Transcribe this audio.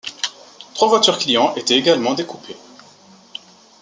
Trois voitures client étaient également des coupés.